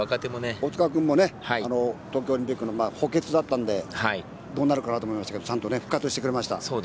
大塚君も東京オリンピックの補欠だったのでどうなるかなと思いましたけどちゃんと復活してくれました。